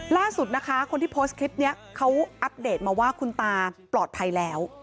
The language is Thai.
ล่าสุดนะคะคนที่โพสต์คลิปนี้เขาอัปเดตมาว่าคุณตาปลอดภัยแล้ว